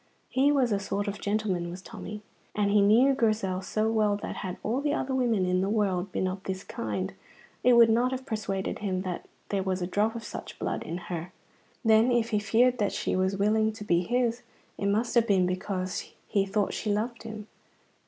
He was a sort of gentleman, was Tommy. And he knew Grizel so well that had all the other women in the world been of this kind, it would not have persuaded him that there was a drop of such blood in her. Then, if he feared that she was willing to be his, it must have been because he thought she loved him?